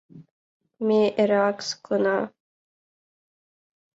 Ме эреак саклена.